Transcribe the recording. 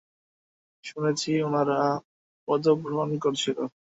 শুনেছি উনারা পদভ্রমন করেছিল।